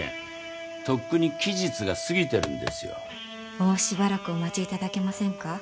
もうしばらくお待ちいただけませんか？